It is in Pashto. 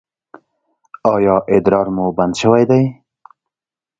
ایا ادرار مو بند شوی دی؟